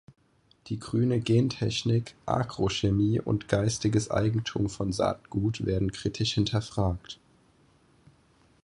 Die Grüne Gentechnik, Agrochemie und geistiges Eigentum von Saatgut werden kritisch hinterfragt.